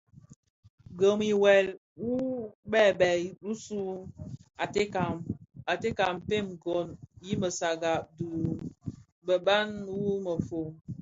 Gom i wuel u bèbèn bisu u teka a mpën gom I mësaga dhi mgbagban wu mefom.